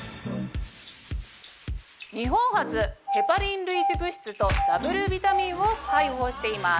日本初ヘパリン類似物質とＷビタミンを配合しています。